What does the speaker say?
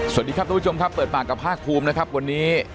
สวัสดีครับทุกผู้ชมครับเปิดปากกับภาคภูมินะครับวันนี้